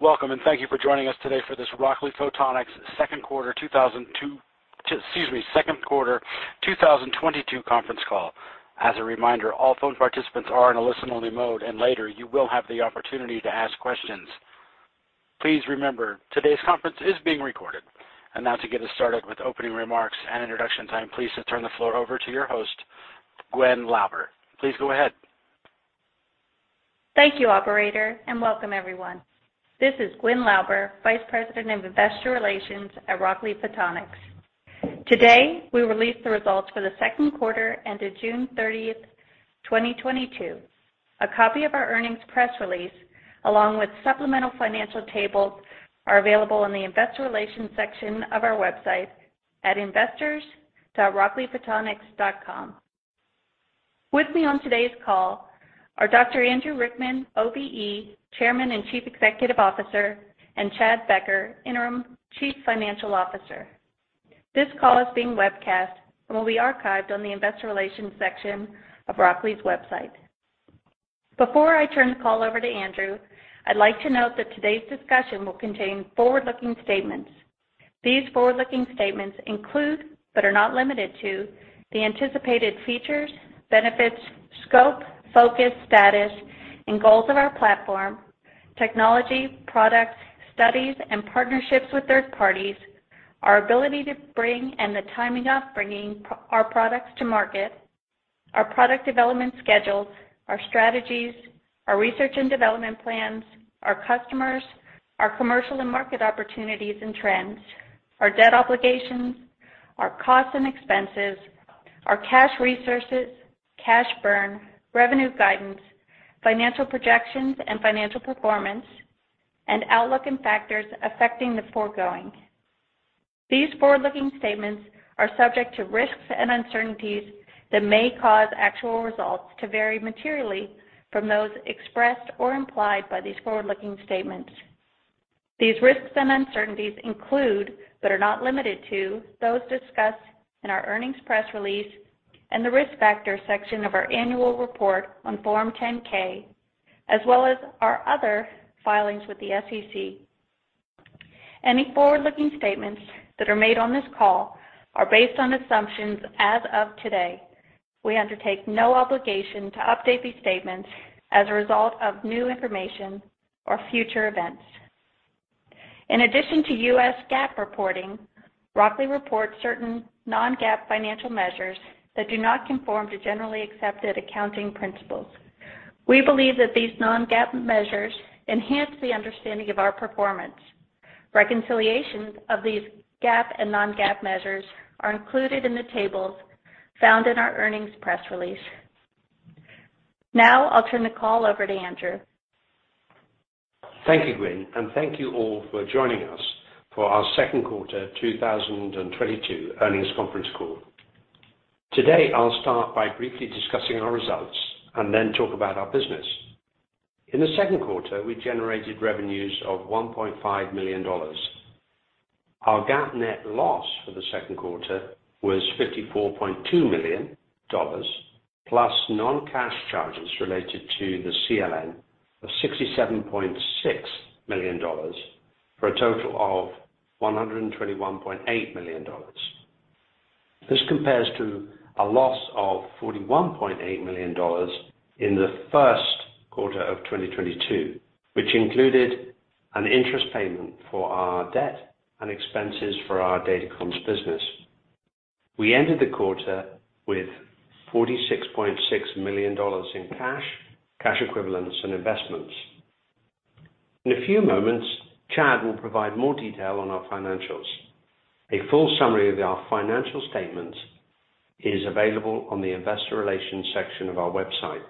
Welcome, and thank you for joining us today for this Rockley Photonics Second Quarter 2022 Conference Call. As a reminder, all phone participants are in a listen-only mode, and later you will have the opportunity to ask questions. Please remember today's conference is being recorded. Now to get us started with opening remarks and introduction time, pleased to turn the floor over to your host, Gwyn Lauber. Please go ahead. Thank you, operator, and welcome everyone. This is Gwyn Lauber, Vice President of Investor Relations at Rockley Photonics. Today, we release the results for the second quarter ended June 30th, 2022. A copy of our earnings press release, along with supplemental financial tables are available in the investor relations section of our website at investors.rockleyphotonics.com. With me on today's call are Dr. Andrew Rickman, OBE, Chairman and Chief Executive Officer, and Chad Becker, Interim Chief Financial Officer. This call is being webcast and will be archived on the investor relations section of Rockley's website. Before I turn the call over to Andrew, I'd like to note that today's discussion will contain forward-looking statements. These forward-looking statements include, but are not limited to, the anticipated features, benefits, scope, focus, status, and goals of our platform, technology, products, studies and partnerships with third parties, our ability to bring and the timing of bringing our products to market, our product development schedules, our strategies, our research and development plans, our customers, our commercial and market opportunities and trends, our debt obligations, our costs and expenses, our cash resources, cash burn, revenue guidance, financial projections and financial performance, and outlook and factors affecting the foregoing. These forward-looking statements are subject to risks and uncertainties that may cause actual results to vary materially from those expressed or implied by these forward-looking statements. These risks and uncertainties include, but are not limited to, those discussed in our earnings press release and the Risk Factors section of our annual report on Form 10-K, as well as our other filings with the SEC. Any forward-looking statements that are made on this call are based on assumptions as of today. We undertake no obligation to update these statements as a result of new information or future events. In addition to US GAAP reporting, Rockley reports certain non-GAAP financial measures that do not conform to generally accepted accounting principles. We believe that these non-GAAP measures enhance the understanding of our performance. Reconciliations of these GAAP and non-GAAP measures are included in the tables found in our earnings press release. Now, I'll turn the call over to Andrew. Thank you, Gwyn, and thank you all for joining us for our second quarter 2022 earnings conference call. Today, I'll start by briefly discussing our results and then talk about our business. In the second quarter, we generated revenues of $1.5 million. Our GAAP net loss for the second quarter was $54.2 million, plus non-cash charges related to the CLN of $67.6 million, for a total of $121.8 million. This compares to a loss of $41.8 million in the first quarter of 2022, which included an interest payment for our debt and expenses for our Datacomms business. We ended the quarter with $46.6 million in cash equivalents and investments. In a few moments, Chad will provide more detail on our financials. A full summary of our financial statements is available on the investor relations section of our website.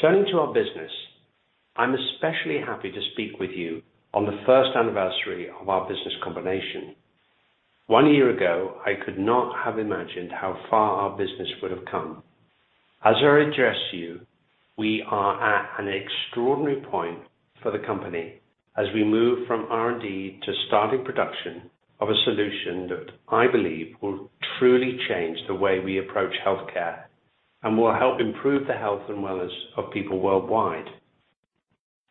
Turning to our business, I'm especially happy to speak with you on the first anniversary of our business combination. One year ago, I could not have imagined how far our business would have come. As I address you, we are at an extraordinary point for the company as we move from R&D to starting production of a solution that I believe will truly change the way we approach healthcare and will help improve the health and wellness of people worldwide.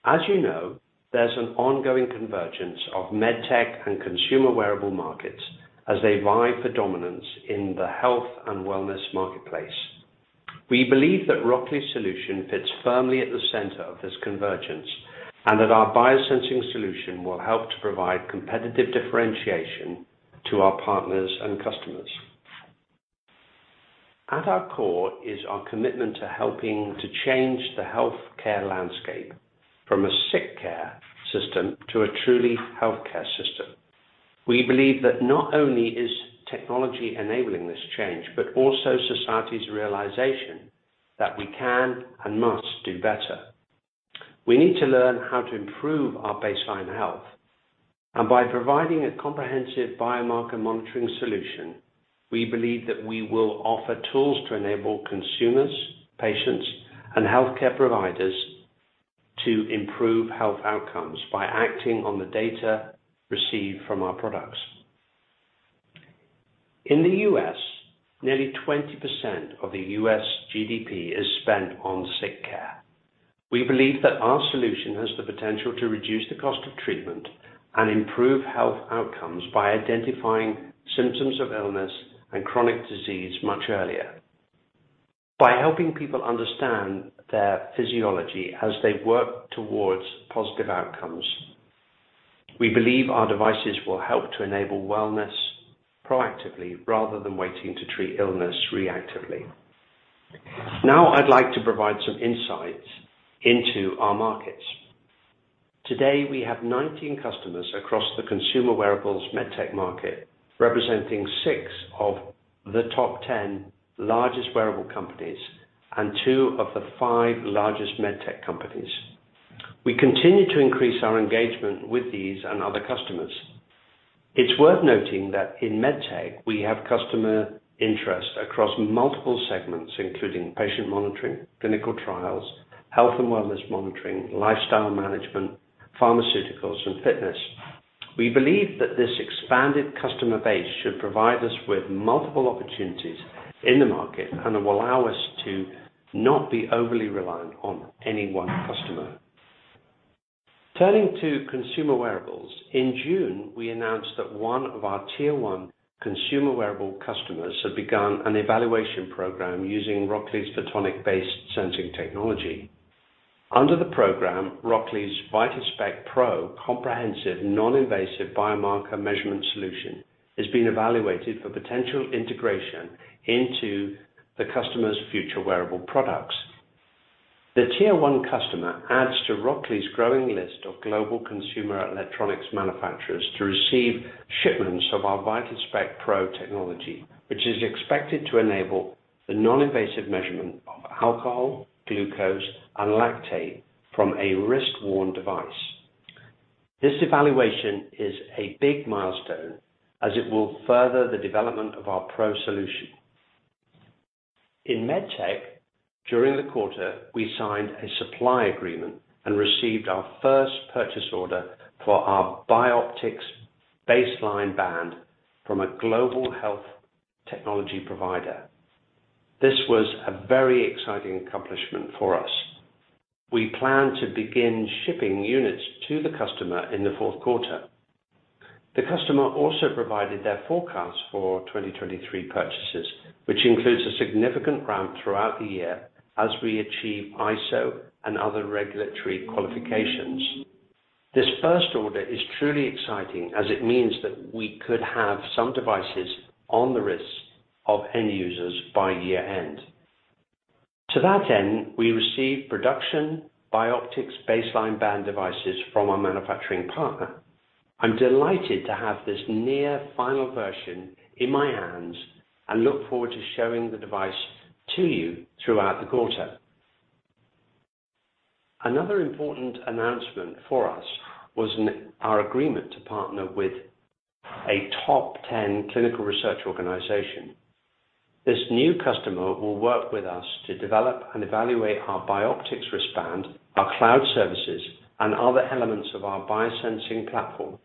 As you know, there's an ongoing convergence of med tech and consumer wearable markets as they vie for dominance in the health and wellness marketplace. We believe that Rockley's solution fits firmly at the center of this convergence, and that our biosensing solution will help to provide competitive differentiation to our partners and customers. At our core is our commitment to helping to change the healthcare landscape from a sick care system to a truly healthcare system. We believe that not only is technology enabling this change, but also society's realization that we can and must do better. We need to learn how to improve our baseline health. By providing a comprehensive biomarker monitoring solution, we believe that we will offer tools to enable consumers, patients, and healthcare providers to improve health outcomes by acting on the data received from our products. In the U.S., nearly 20% of the U.S. GDP is spent on sick care. We believe that our solution has the potential to reduce the cost of treatment and improve health outcomes by identifying symptoms of illness and chronic disease much earlier. By helping people understand their physiology as they work towards positive outcomes, we believe our devices will help to enable wellness proactively rather than waiting to treat illness reactively. Now I'd like to provide some insights into our markets. Today, we have 19 customers across the consumer wearables MedTech market, representing six of the top 10 largest wearable companies and two of the 5 largest MedTech companies. We continue to increase our engagement with these and other customers. It's worth noting that in MedTech, we have customer interest across multiple segments, including patient monitoring, clinical trials, health and wellness monitoring, lifestyle management, pharmaceuticals, and fitness. We believe that this expanded customer base should provide us with multiple opportunities in the market and will allow us to not be overly reliant on any one customer. Turning to consumer wearables, in June, we announced that one of our Tier one consumer wearable customers had begun an evaluation program using Rockley's photonic-based sensing technology. Under the program, Rockley's VitalSpex Pro comprehensive non-invasive biomarker measurement solution is being evaluated for potential integration into the customer's future wearable products. The Tier one customer adds to Rockley's growing list of global consumer electronics manufacturers to receive shipments of our VitalSpex Pro technology, which is expected to enable the non-invasive measurement of alcohol, glucose, and lactate from a wrist-worn device. This evaluation is a big milestone as it will further the development of our Pro solution. In MedTech, during the quarter, we signed a supply agreement and received our first purchase order for our Bioptx Baseline Band from a global health technology provider. This was a very exciting accomplishment for us. We plan to begin shipping units to the customer in the fourth quarter. The customer also provided their forecast for 2023 purchases, which includes a significant ramp throughout the year as we achieve ISO and other regulatory qualifications. This first order is truly exciting as it means that we could have some devices on the wrists of end users by year-end. To that end, we received production Bioptx Baseline Band devices from our manufacturing partner. I'm delighted to have this near final version in my hands and look forward to showing the device to you throughout the quarter. Another important announcement for us was our agreement to partner with a top 10 clinical research organization. This new customer will work with us to develop and evaluate our Bioptx Wristband, our cloud services, and other elements of our biosensing platform.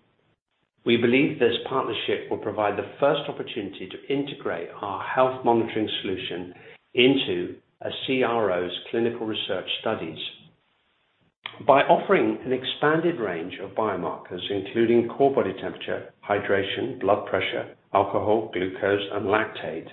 We believe this partnership will provide the first opportunity to integrate our health monitoring solution into a CRO's clinical research studies. By offering an expanded range of biomarkers, including core body temperature, hydration, blood pressure, alcohol, glucose, and lactate,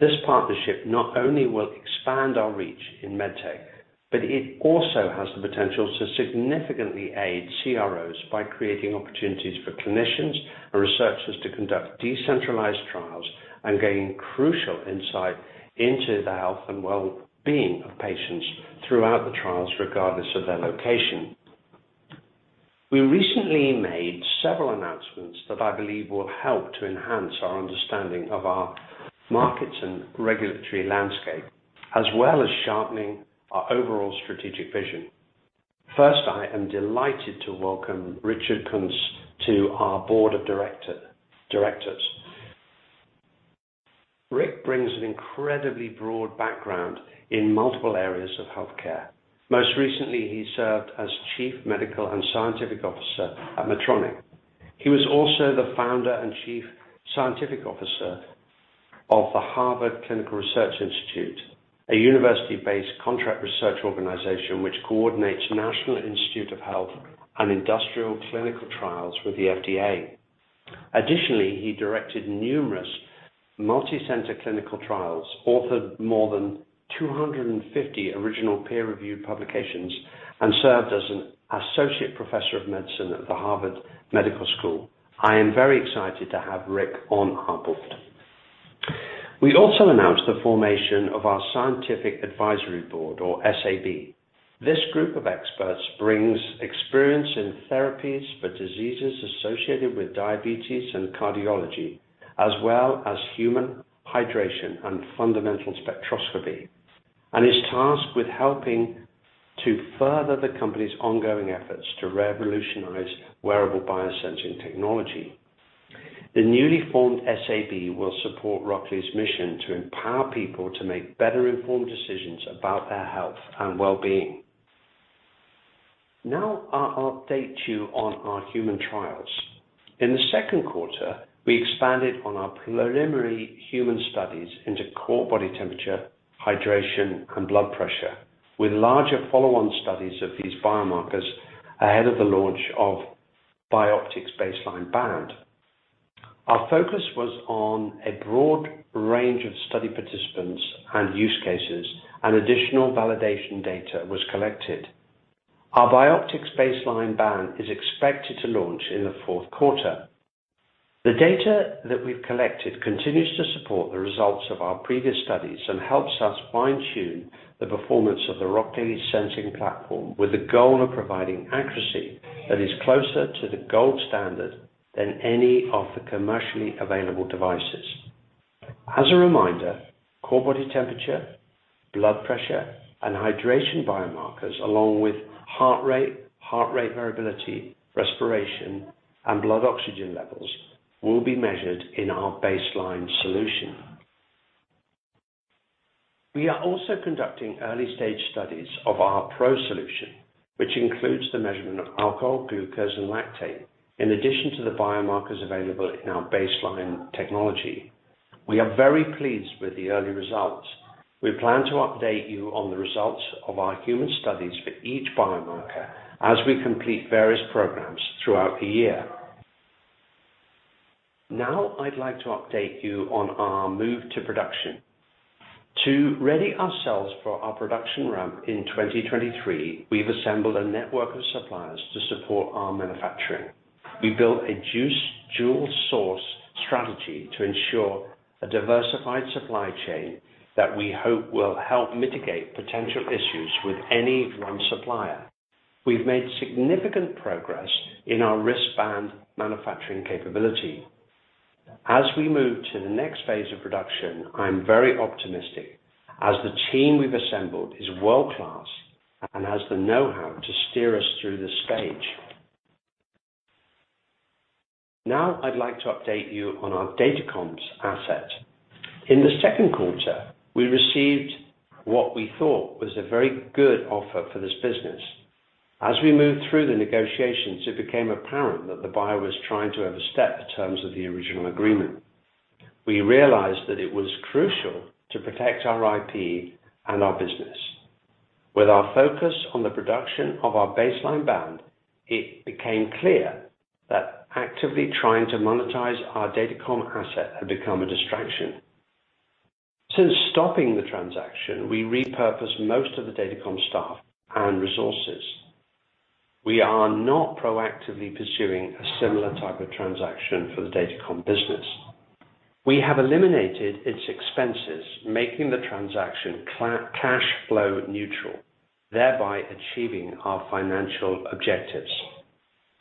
this partnership not only will expand our reach in MedTech, but it also has the potential to significantly aid CROs by creating opportunities for clinicians or researchers to conduct decentralized trials and gain crucial insight into the health and well-being of patients throughout the trials, regardless of their location. We recently made several announcements that I believe will help to enhance our understanding of our markets and regulatory landscape, as well as sharpening our overall strategic vision. First, I am delighted to welcome Richard Kuntz to our board of directors. Rick brings an incredibly broad background in multiple areas of healthcare. Most recently, he served as Chief Medical and Scientific Officer at Medtronic. He was also the Founder and Chief Scientific Officer of the Harvard Clinical Research Institute, a university-based contract research organization which coordinates National Institutes of Health and Industrial clinical trials with the FDA. Additionally, he directed numerous multi-center clinical trials, authored more than 250 original peer-reviewed publications, and served as an Associate Professor of Medicine at the Harvard Medical School. I am very excited to have Rick on our board. We also announced the formation of our scientific advisory board or SAB. This group of experts brings experience in therapies for diseases associated with diabetes and cardiology, as well as human hydration and fundamental spectroscopy, and is tasked with helping to further the company's ongoing efforts to revolutionize wearable biosensing technology. The newly formed SAB will support Rockley's mission to empower people to make better-informed decisions about their health and well-being. Now our update to you on our human trials. In the second quarter, we expanded on our preliminary human studies into core body temperature, hydration, and blood pressure with larger follow-on studies of these biomarkers ahead of the launch of Bioptx Baseline Band. Our focus was on a broad range of study participants and use cases, and additional validation data was collected. Our Bioptx Baseline Band is expected to launch in the fourth quarter. The data that we've collected continues to support the results of our previous studies and helps us fine-tune the performance of the Rockley sensing platform with the goal of providing accuracy that is closer to the gold standard than any of the commercially available devices. As a reminder, core body temperature, blood pressure, and hydration biomarkers along with heart rate, heart rate variability, respiration, and blood oxygen levels will be measured in our Baseline solution. We are also conducting early-stage studies of our Pro solution, which includes the measurement of alcohol, glucose, and lactate in addition to the biomarkers available in our Baseline technology. We are very pleased with the early results. We plan to update you on the results of our human studies for each biomarker as we complete various programs throughout the year. Now I'd like to update you on our move to production. To ready ourselves for our production ramp in 2023, we've assembled a network of suppliers to support our manufacturing. We built a dual-source strategy to ensure a diversified supply chain that we hope will help mitigate potential issues with any one supplier. We've made significant progress in our wristband manufacturing capability. As we move to the next phase of production, I'm very optimistic as the team we've assembled is world-class and has the know-how to steer us through this stage. Now I'd like to update you on our Datacom asset. In the second quarter, we received what we thought was a very good offer for this business. As we moved through the negotiations, it became apparent that the buyer was trying to overstep the terms of the original agreement. We realized that it was crucial to protect our IP and our business. With our focus on the production of our Baseline band, it became clear that actively trying to monetize our Datacom asset had become a distraction. Since stopping the transaction, we repurposed most of the Datacom staff and resources. We are not proactively pursuing a similar type of transaction for the Datacom business. We have eliminated its expenses, making the transaction cash flow neutral, thereby achieving our financial objectives.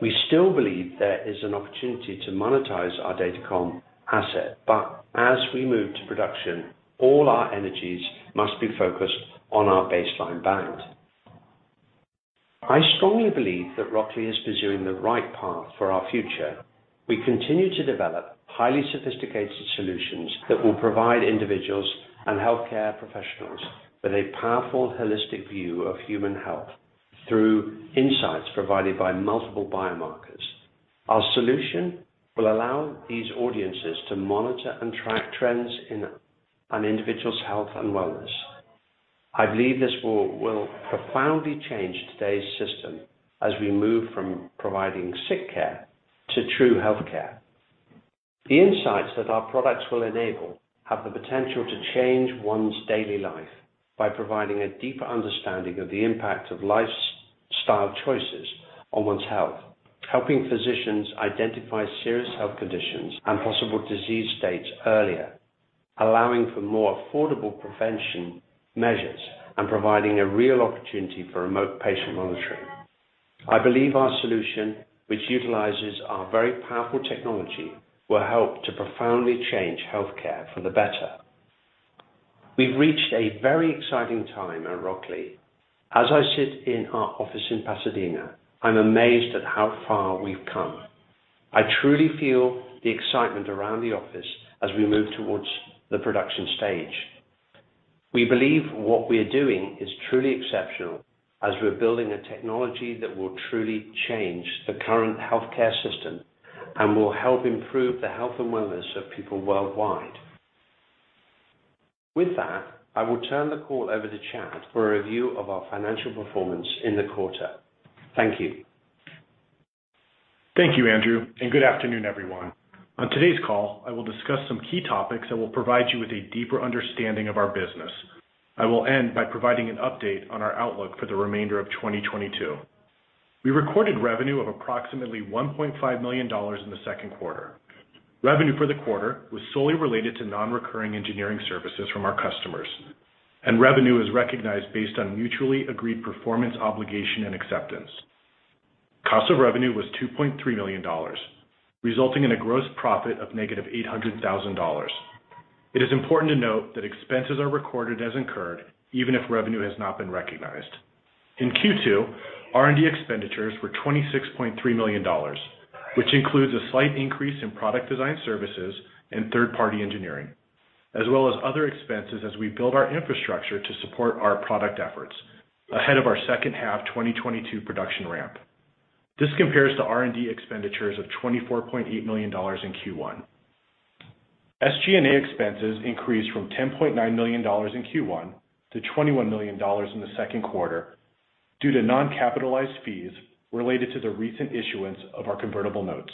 We still believe there is an opportunity to monetize our Datacom asset, but as we move to production, all our energies must be focused on our Baseline band. I strongly believe that Rockley is pursuing the right path for our future. We continue to develop highly sophisticated solutions that will provide individuals and healthcare professionals with a powerful, holistic view of human health through insights provided by multiple biomarkers. Our solution will allow these audiences to monitor and track trends in an individual's health and wellness. I believe this will profoundly change today's system as we move from providing sick care to true health care. The insights that our products will enable have the potential to change one's daily life by providing a deeper understanding of the impact of lifestyle choices on one's health, helping physicians identify serious health conditions and possible disease states earlier, allowing for more affordable prevention measures and providing a real opportunity for remote patient monitoring. I believe our solution, which utilizes our very powerful technology, will help to profoundly change healthcare for the better. We've reached a very exciting time at Rockley. As I sit in our office in Pasadena, I'm amazed at how far we've come. I truly feel the excitement around the office as we move towards the production stage. We believe what we are doing is truly exceptional as we're building a technology that will truly change the current healthcare system and will help improve the health and wellness of people worldwide. With that, I will turn the call over to Chad for a review of our financial performance in the quarter. Thank you. Thank you, Andrew, and good afternoon, everyone. On today's call, I will discuss some key topics that will provide you with a deeper understanding of our business. I will end by providing an update on our outlook for the remainder of 2022. We recorded revenue of approximately $1.5 million in the second quarter. Revenue for the quarter was solely related to non-recurring engineering services from our customers, and revenue is recognized based on mutually agreed performance, obligation, and acceptance. Cost of revenue was $2.3 million, resulting in a gross profit of -$800,000. It is important to note that expenses are recorded as incurred even if revenue has not been recognized. In Q2, R&D expenditures were $26.3 million, which includes a slight increase in product design services and third-party engineering. As well as other expenses as we build our infrastructure to support our product efforts ahead of our second half 2022 production ramp. This compares to R&D expenditures of $24.8 million in Q1. SG&A expenses increased from $10.9 million in Q1 to $21 million in the second quarter due to non-capitalized fees related to the recent issuance of our convertible notes.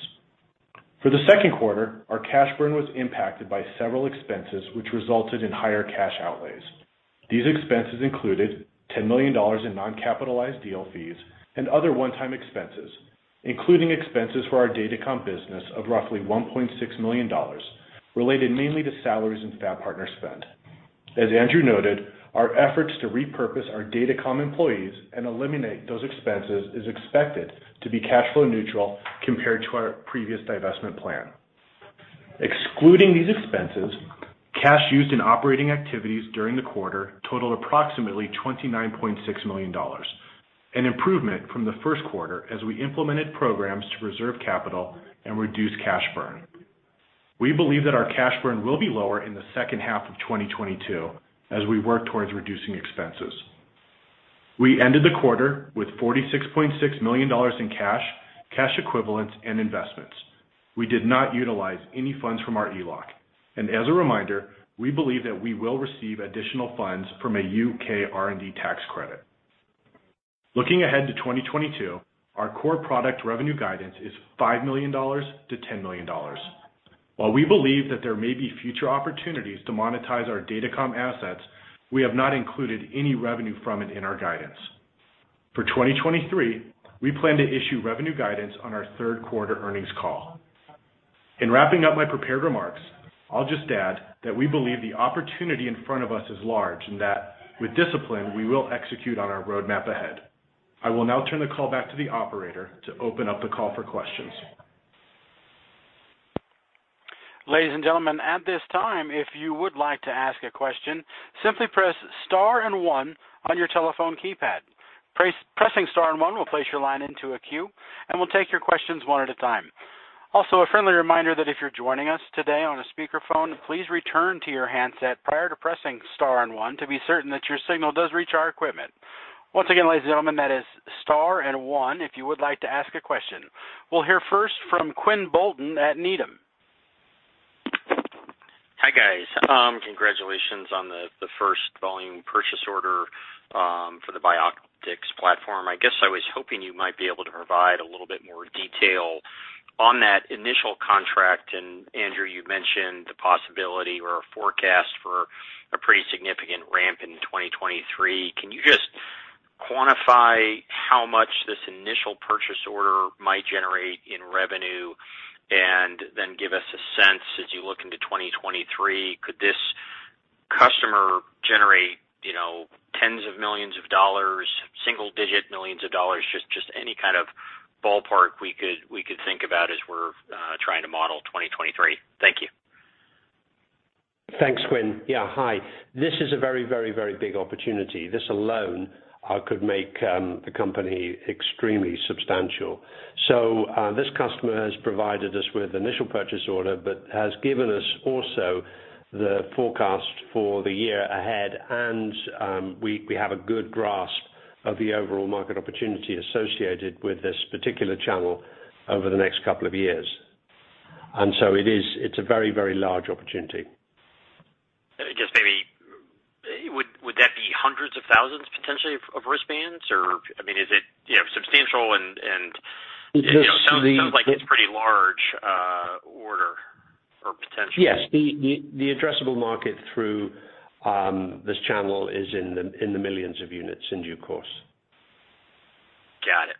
For the second quarter, our cash burn was impacted by several expenses, which resulted in higher cash outlays. These expenses included $10 million in non-capitalized deal fees and other one-time expenses, including expenses for our Datacom business of roughly $1.6 million, related mainly to salaries and fab partner spend. As Andrew noted, our efforts to repurpose our Datacom employees and eliminate those expenses is expected to be cash flow neutral compared to our previous divestment plan. Excluding these expenses, cash used in operating activities during the quarter totaled approximately $29.6 million, an improvement from the first quarter as we implemented programs to preserve capital and reduce cash burn. We believe that our cash burn will be lower in the second half of 2022 as we work towards reducing expenses. We ended the quarter with $46.6 million in cash equivalents, and investments. We did not utilize any funds from our ELOC, and as a reminder, we believe that we will receive additional funds from a UK R&D tax credit. Looking ahead to 2022, our core product revenue guidance is $5 million-$10 million. While we believe that there may be future opportunities to monetize our Datacom assets, we have not included any revenue from it in our guidance. For 2023, we plan to issue revenue guidance on our third quarter earnings call. In wrapping up my prepared remarks, I'll just add that we believe the opportunity in front of us is large, and that with discipline, we will execute on our roadmap ahead. I will now turn the call back to the operator to open up the call for questions. Ladies and gentlemen, at this time, if you would like to ask a question, simply press star and one on your telephone keypad. Pressing star and one will place your line into a queue, and we'll take your questions one at a time. Also, a friendly reminder that if you're joining us today on a speakerphone, please return to your handset prior to pressing star and one to be certain that your signal does reach our equipment. Once again, ladies and gentlemen, that is star and one if you would like to ask a question. We'll hear first from Quinn Bolton at Needham. Hi, guys. Congratulations on the first volume purchase order for the Bioptx platform. I guess I was hoping you might be able to provide a little bit more detail on that initial contract. Andrew, you've mentioned the possibility or a forecast for a pretty significant ramp in 2023. Can you just quantify how much this initial purchase order might generate in revenue? Then give us a sense as you look into 2023, could this customer generate, you know, tens of millions of dollars, single digit millions of dollars? Just any kind of ballpark we could think about as we're trying to model 2023. Thank you. Thanks, Quinn. Yeah. Hi. This is a very big opportunity. This alone could make the company extremely substantial. This customer has provided us with initial purchase order, but has given us also the forecast for the year ahead. We have a good grasp of the overall market opportunity associated with this particular channel over the next couple of years. It is a very large opportunity. I guess maybe would that be hundreds of thousands potentially of wristbands? Or, I mean, is it, you know, substantial? Just the- You know, sounds like it's pretty large order or potentially. Yes. The addressable market through this channel is in the millions of units in due course. Got it.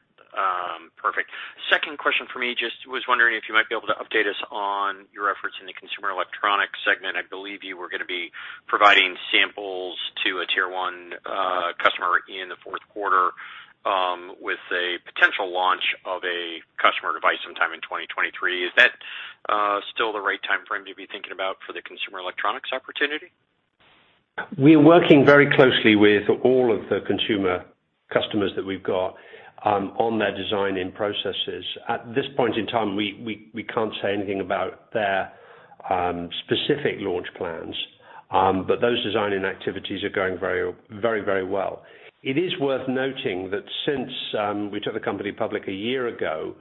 Perfect. Second question for me, just was wondering if you might be able to update us on your efforts in the consumer electronics segment. I believe you were gonna be providing samples to a Tier one customer in the fourth quarter, with a potential launch of a customer device sometime in 2023. Is that still the right timeframe to be thinking about for the consumer electronics opportunity? We are working very closely with all of the consumer customers that we've got on their design-in processes. At this point in time, we can't say anything about their specific launch plans. Those design and activities are going very, very, very well. It is worth noting that since we took the company public a year ago,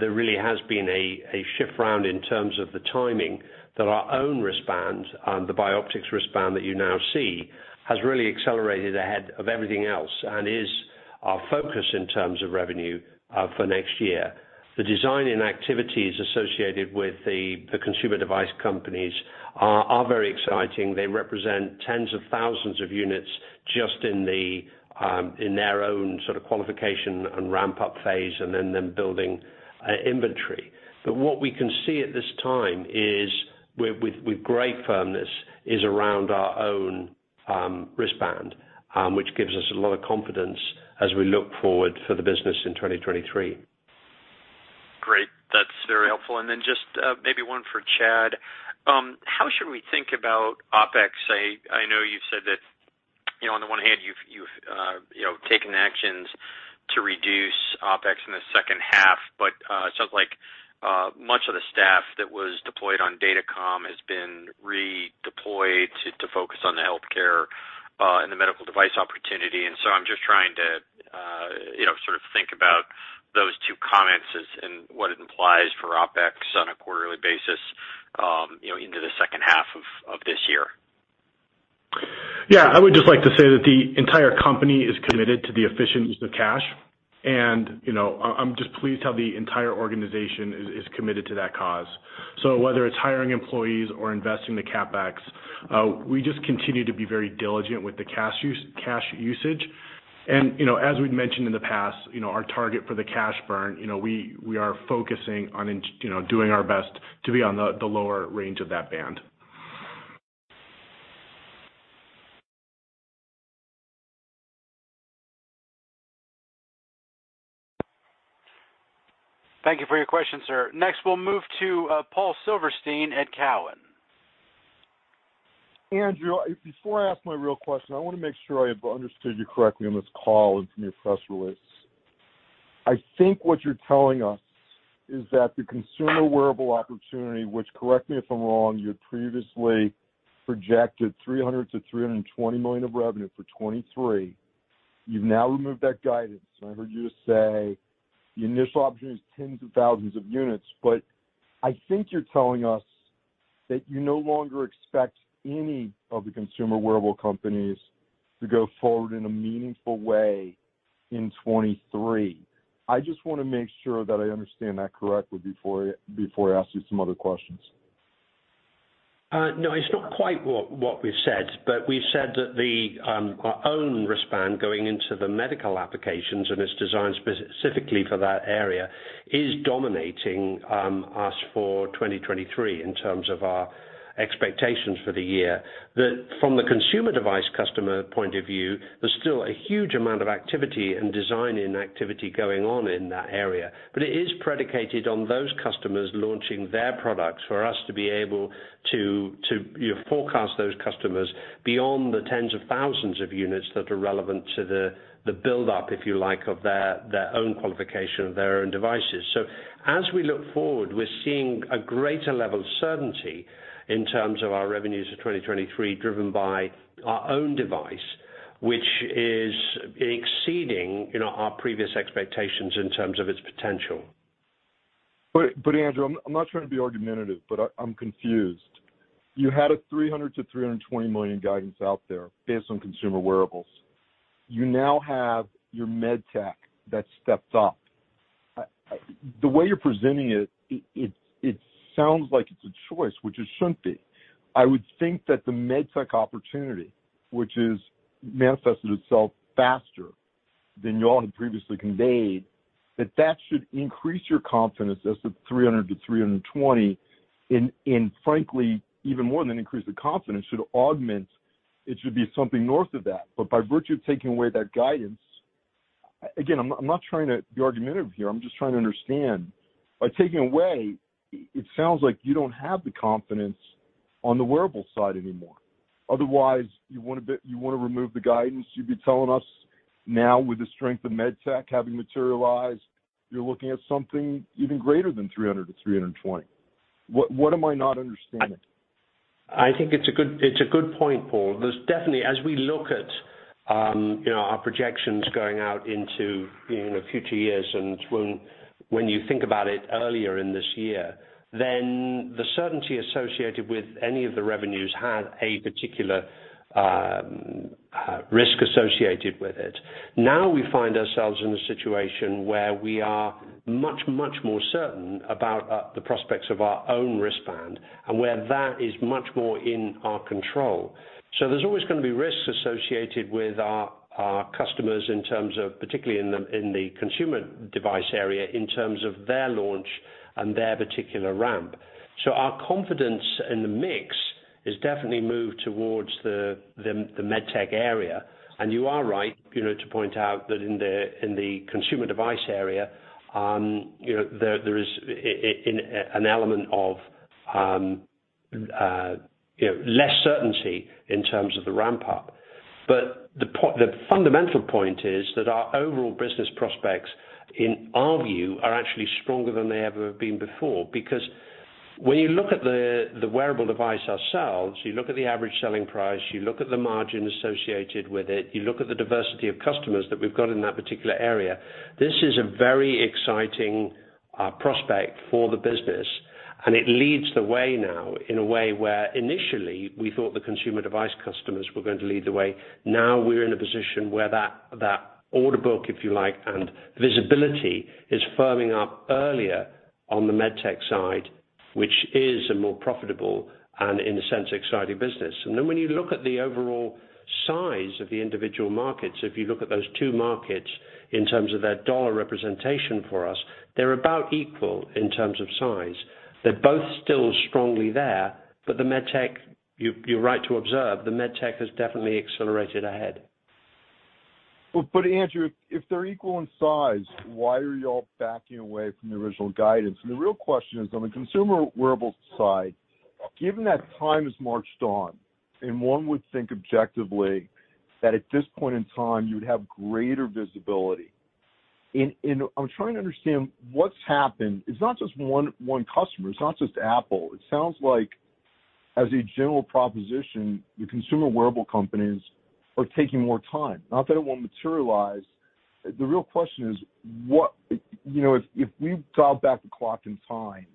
there really has been a shift around in terms of the timing that our own wristband, the Bioptx Wristband that you now see, has really accelerated ahead of everything else and is our focus in terms of revenue for next year. The design and activities associated with the consumer device companies are very exciting. They represent tens of thousands of units just in their own sort of qualification and ramp up phase and then them building inventory. What we can see at this time is with great firmness around our own wristband, which gives us a lot of confidence as we look forward for the business in 2023. Great. That's very helpful. Then just maybe one for Chad. How should we think about OpEx? I know you've said. You know, on the one hand, you've you know taken actions to reduce OpEx in the second half. It sounds like much of the staff that was deployed on Datacom has been redeployed to focus on the healthcare and the medical device opportunity. I'm just trying to you know sort of think about those two comments as in what it implies for OpEx on a quarterly basis you know into the second half of this year. Yeah. I would just like to say that the entire company is committed to the efficient use of cash. You know, I'm just pleased how the entire organization is committed to that cause. Whether it's hiring employees or investing the CapEx, we just continue to be very diligent with the cash use, cash usage. You know, as we've mentioned in the past, you know, our target for the cash burn, you know, we are focusing on you know, doing our best to be on the lower range of that band. Thank you for your question, sir. Next, we'll move to Paul Silverstein at Cowen. Andrew, before I ask my real question, I wanna make sure I have understood you correctly on this call and from your press release. I think what you're telling us is that the consumer wearable opportunity, which correct me if I'm wrong, you had previously projected $300 million-$320 million of revenue for 2023. You've now removed that guidance. I heard you say the initial opportunity is tens of thousands of units. I think you're telling us that you no longer expect any of the consumer wearable companies to go forward in a meaningful way in 2023. I just wanna make sure that I understand that correctly before I ask you some other questions. No, it's not quite what we've said. We said that our own wristband going into the medical applications, and it's designed specifically for that area, is dominating us for 2023 in terms of our expectations for the year. That from the consumer device customer point of view, there's still a huge amount of activity and design and activity going on in that area. It is predicated on those customers launching their products for us to be able to, you know, forecast those customers beyond the tens of thousands of units that are relevant to the buildup, if you like, of their own qualification of their own devices. as we look forward, we're seeing a greater level of certainty in terms of our revenues for 2023, driven by our own device, which is exceeding, you know, our previous expectations in terms of its potential. Andrew, I'm not trying to be argumentative, but I'm confused. You had a $300 million-$320 million guidance out there based on consumer wearables. You now have your med tech that stepped up. The way you're presenting it sounds like it's a choice, which it shouldn't be. I would think that the med tech opportunity, which is manifested itself faster than you all had previously conveyed, that should increase your confidence as to $300 million-$320 million. Frankly, even more than increase the confidence should augment, it should be something north of that. By virtue of taking away that guidance, again, I'm not trying to be argumentative here. I'm just trying to understand. By taking away, it sounds like you don't have the confidence on the wearable side anymore. Otherwise, you wanna remove the guidance, you'd be telling us now with the strength of med tech having materialized, you'd be looking at something even greater than $300 million-$320 million. What am I not understanding? I think it's a good point, Paul. There's definitely, as we look at, you know, our projections going out into, you know, future years, and when you think about it earlier in this year, then the certainty associated with any of the revenues had a particular risk associated with it. Now, we find ourselves in a situation where we are much more certain about the prospects of our own wristband and where that is much more in our control. There's always gonna be risks associated with our customers in terms of, particularly in the consumer device area, in terms of their launch and their particular ramp. Our confidence in the mix has definitely moved towards the med tech area. You are right, you know, to point out that in the consumer device area, you know, there is an element of, you know, less certainty in terms of the ramp up. But the fundamental point is that our overall business prospects, in our view, are actually stronger than they ever have been before. Because when you look at the wearable device ourselves, you look at the average selling price, you look at the margin associated with it, you look at the diversity of customers that we've got in that particular area, this is a very exciting prospect for the business. It leads the way now in a way where initially we thought the consumer device customers were going to lead the way. Now we're in a position where that order book, if you like, and visibility is firming up earlier on the med tech side, which is a more profitable and in a sense, exciting business. When you look at the overall size of the individual markets, if you look at those two markets in terms of their dollar representation for us, they're about equal in terms of size. They're both still strongly there. The med tech, you're right to observe, the med tech has definitely accelerated ahead. Andrew, if they're equal in size, why are you all backing away from the original guidance? The real question is, on the consumer wearables side, given that time has marched on, and one would think objectively that at this point in time, you would have greater visibility. I'm trying to understand what's happened. It's not just one customer, it's not just Apple. It sounds like as a general proposition, the consumer wearable companies are taking more time. Not that it won't materialize. The real question is what. You know, if we dial back the clock in time,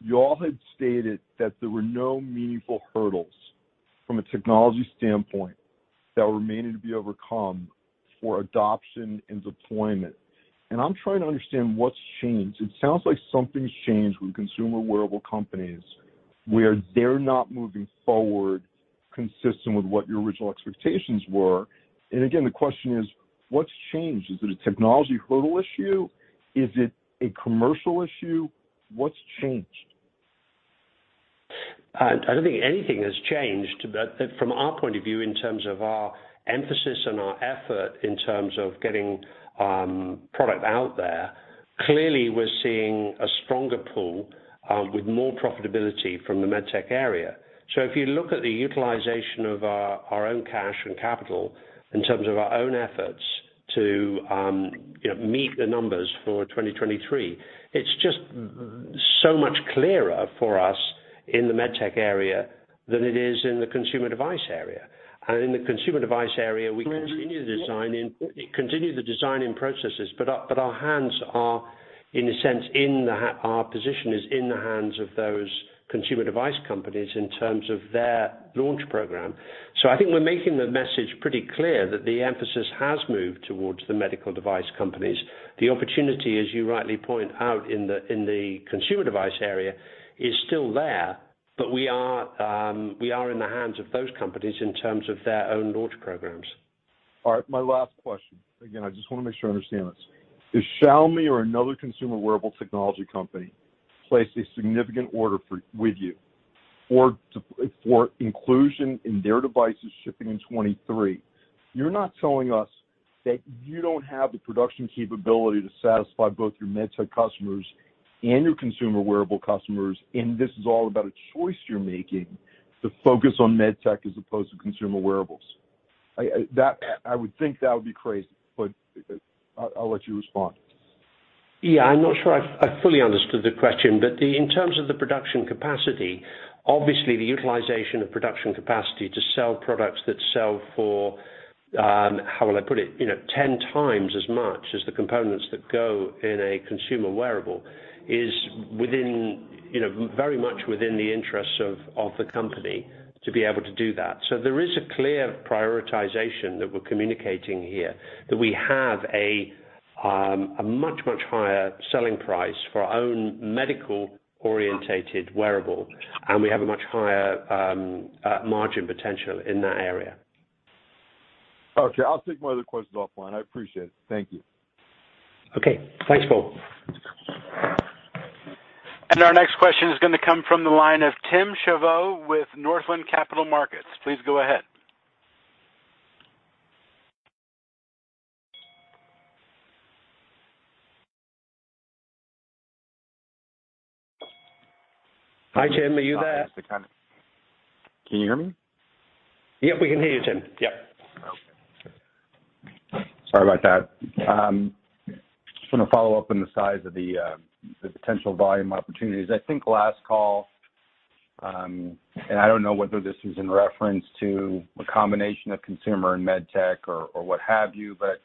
you all had stated that there were no meaningful hurdles from a technology standpoint that were remaining to be overcome for adoption and deployment. I'm trying to understand what's changed. It sounds like something's changed with consumer wearable companies, where they're not moving forward consistent with what your original expectations were. Again, the question is what's changed? Is it a technology hurdle issue? Is it a commercial issue? What's changed? I don't think anything has changed. From our point of view, in terms of our emphasis and our effort in terms of getting product out there, clearly we're seeing a stronger pull with more profitability from the med tech area. If you look at the utilization of our own cash and capital in terms of our own efforts to you know meet the numbers for 2023, it's just so much clearer for us in the med tech area than it is in the consumer device area. In the consumer device area, we continue the designing processes, but our position is in a sense in the hands of those consumer device companies in terms of their launch program. I think we're making the message pretty clear that the emphasis has moved towards the medical device companies. The opportunity, as you rightly point out in the consumer device area, is still there. We are in the hands of those companies in terms of their own launch programs. All right. My last question. Again, I just wanna make sure I understand this. If Xiaomi or another consumer wearable technology company placed a significant order with you for inclusion in their devices shipping in 2023, you're not telling us that you don't have the production capability to satisfy both your med tech customers and your consumer wearable customers, and this is all about a choice you're making to focus on med tech as opposed to consumer wearables. I would think that would be crazy, but I'll let you respond. Yeah. I'm not sure I fully understood the question. In terms of the production capacity, obviously the utilization of production capacity to sell products that sell for, how will I put it? You know, ten times as much as the components that go in a consumer wearable is within, you know, very much within the interests of the company to be able to do that. There is a clear prioritization that we're communicating here, that we have a much, much higher selling price for our own medical-oriented wearable, and we have a much higher margin potential in that area. Okay. I'll take my other questions offline. I appreciate it. Thank you. Okay. Thanks, Paul. Our next question is gonna come from the line of Tim Savageot with Northland Capital Markets. Please go ahead. Hi, Tim. Are you there? Can you hear me? Yep, we can hear you, Tim. Yep. Okay. Sorry about that. Just wanna follow up on the size of the potential volume opportunities. I think last call, and I don't know whether this is in reference to a combination of consumer and med tech or what have you, but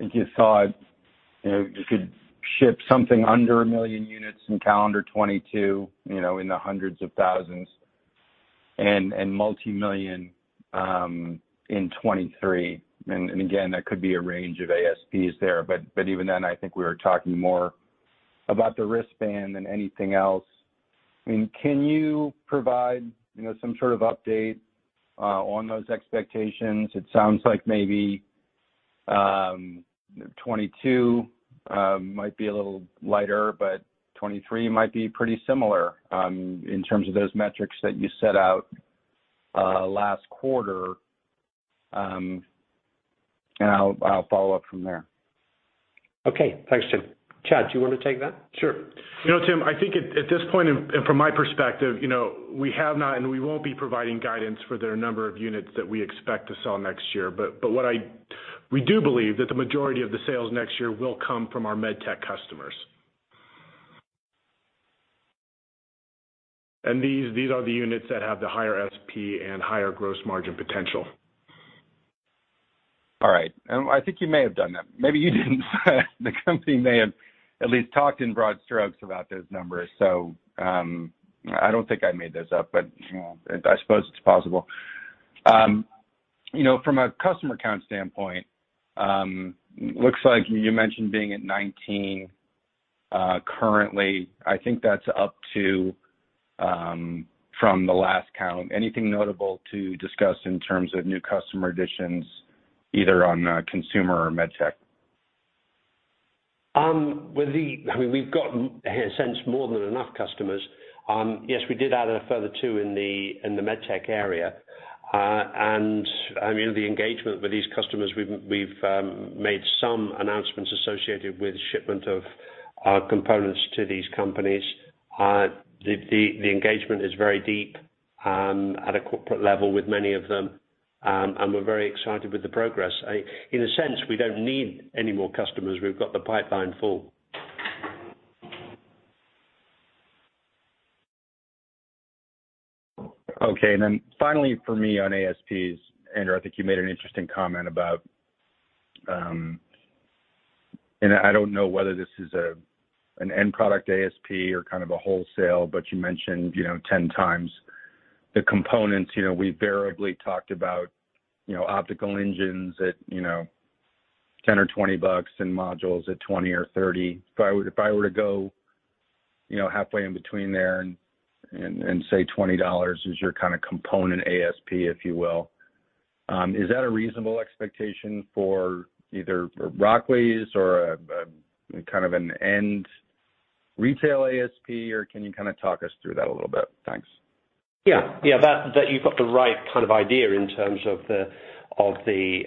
I think you thought, you know, you could ship something under a million units in calendar 2022, you know, in the hundreds of thousands and multi-million in 2023. Again, that could be a range of ASPs there, but even then, I think we were talking more about the wristband than anything else. I mean, can you provide, you know, some sort of update on those expectations? It sounds like maybe 2022 might be a little lighter, but 2023 might be pretty similar in terms of those metrics that you set out last quarter. I'll follow up from there. Okay. Thanks, Tim. Chad, do you wanna take that? Sure. You know, Tim, I think at this point, and from my perspective, you know, we have not and we won't be providing guidance for the number of units that we expect to sell next year. We do believe that the majority of the sales next year will come from our med tech customers. These are the units that have the higher ASP and higher gross margin potential. All right. I think you may have done that. Maybe you didn't, but the company may have at least talked in broad strokes about those numbers. I don't think I made those up, but, you know, I suppose it's possible. You know, from a customer count standpoint, looks like you mentioned being at 19 currently. I think that's up to, from the last count. Anything notable to discuss in terms of new customer additions, either on, consumer or med tech? I mean, we've got in a sense more than enough customers. Yes, we did add a further two in the med tech area. I mean, the engagement with these customers, we've made some announcements associated with shipment of components to these companies. The engagement is very deep at a corporate level with many of them. We're very excited with the progress. In a sense, we don't need any more customers. We've got the pipeline full. Okay. Finally for me on ASPs, Andrew, I think you made an interesting comment about. I don't know whether this is a, an end product ASP or kind of a wholesale, but you mentioned, you know, 10 times the components. You know, we variably talked about, you know, optical engines at, you know, $10-$20 and modules at $20-$30. If I were to go, you know, halfway in between there and say $20 is your kind of component ASP, if you will, is that a reasonable expectation for either Rockley or a kind of an end retail ASP? Or can you kind of talk us through that a little bit? Thanks. Yeah. That you've got the right kind of idea in terms of the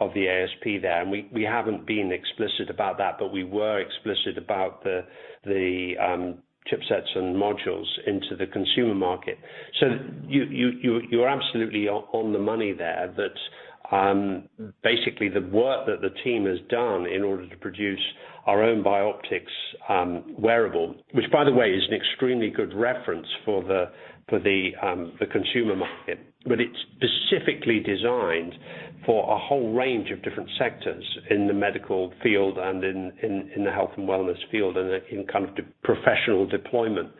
ASP there. We haven't been explicit about that, but we were explicit about the chipsets and modules into the consumer market. You're absolutely on the money there that basically the work that the team has done in order to produce our own Bioptx wearable, which, by the way, is an extremely good reference for the consumer market. It's specifically designed for a whole range of different sectors in the medical field and in the health and wellness field and in kind of professional deployment.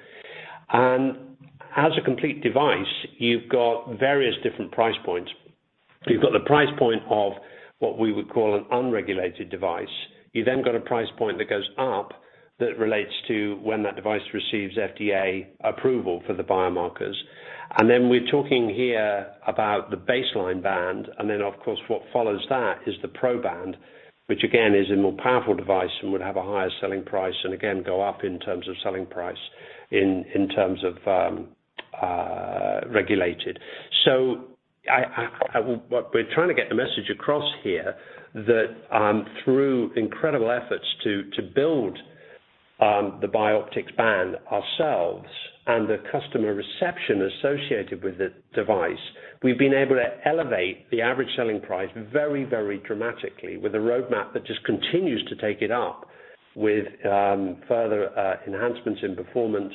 As a complete device, you've got various different price points. You've got the price point of what we would call an unregulated device. You then got a price point that goes up that relates to when that device receives FDA approval for the biomarkers. We're talking here about the Baseline Band. Of course, what follows that is the Pro Band, which again is a more powerful device and would have a higher selling price, and again go up in terms of selling price in terms of regulated. What we're trying to get the message across here that through incredible efforts to build the Bioptx Band ourselves and the customer reception associated with the device, we've been able to elevate the average selling price very, very dramatically with a roadmap that just continues to take it up with further enhancements in performance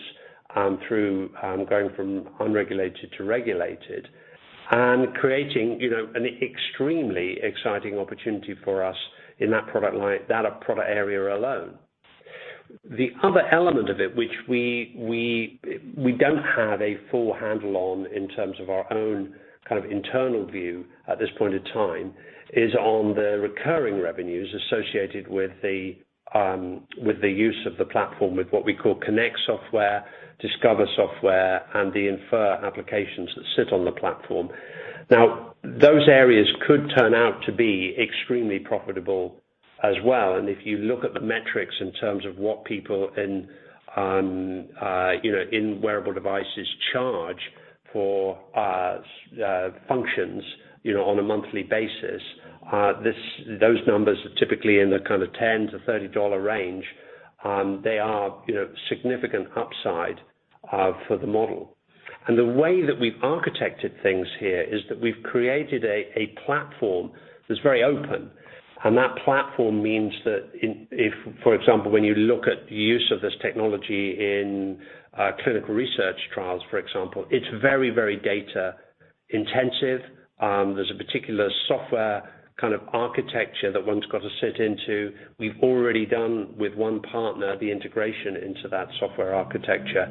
through going from unregulated to regulated. Creating, you know, an extremely exciting opportunity for us in that product line, that product area alone. The other element of it, which we don't have a full handle on in terms of our own kind of internal view at this point in time, is on the recurring revenues associated with the use of the platform, with what we call Connect software, Discover software, and the Infer applications that sit on the platform. Now, those areas could turn out to be extremely profitable as well. If you look at the metrics in terms of what people in you know, in wearable devices charge for functions, you know, on a monthly basis, those numbers are typically in the kind of $10-$30 range. They are, you know, significant upside for the model. The way that we've architected things here is that we've created a platform that's very open. That platform means that if, for example, when you look at use of this technology in clinical research trials, for example, it's very, very data intensive. There's a particular software kind of architecture that one's got to sit into. We've already done with one partner, the integration into that software architecture.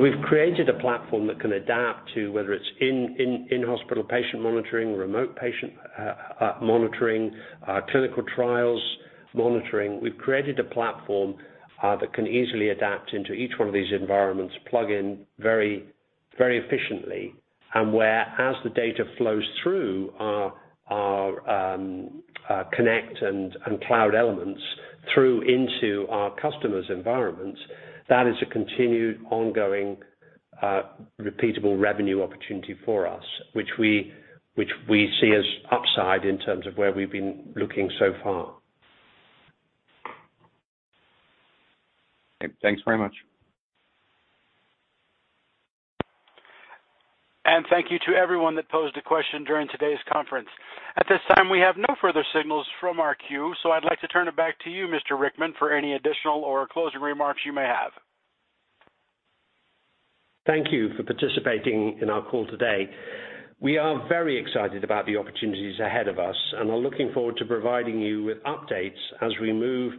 We've created a platform that can adapt to whether it's in-hospital patient monitoring, remote patient monitoring, clinical trials monitoring. We've created a platform that can easily adapt into each one of these environments, plug in very, very efficiently, and whereas the data flows through our Connect and cloud elements through into our customers environments. That is a continued, ongoing, repeatable revenue opportunity for us, which we see as upside in terms of where we've been looking so far. Okay. Thanks very much. Thank you to everyone that posed a question during today's conference. At this time, we have no further signals from our queue, so I'd like to turn it back to you, Mr. Rickman, for any additional or closing remarks you may have. Thank you for participating in our call today. We are very excited about the opportunities ahead of us, and are looking forward to providing you with updates as we move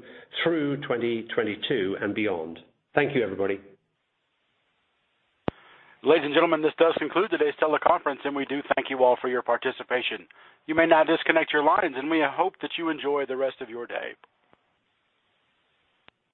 through 2022 and beyond. Thank you, everybody. Ladies and gentlemen, this does conclude today's teleconference, and we do thank you all for your participation. You may now disconnect your lines, and we hope that you enjoy the rest of your day.